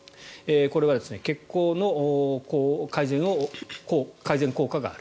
これは血行の改善効果がある。